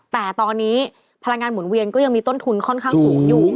แต่ตอนนี้พลังงานหมุนเวียนก็ยังมีต้นทุนค่อนข้างสูงอยู่